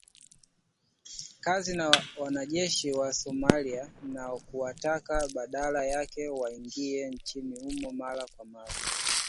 kazi na wanajeshi wa Somalia na kuwataka badala yake waingie nchini humo mara kwa mara